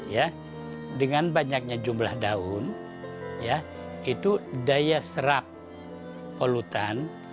ya dengan banyaknya jumlah daun ya itu daya serap polutan